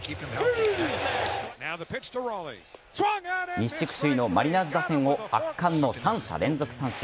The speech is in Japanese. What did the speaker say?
西地区首位のマリナーズ打線を圧巻の３者連続三振。